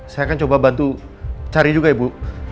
saya akan coba bantu cari juga ibu